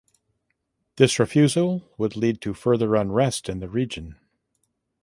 This refusal would lead to further unrest in the region.